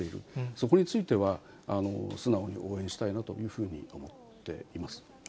そこについては、素直に応援したいなというふうに思っています。